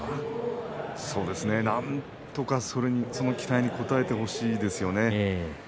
そうですね、なんとか期待に応えてほしいですよね。